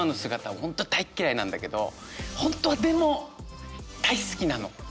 本当は大っ嫌いなんだけど本当はでも大好きなの。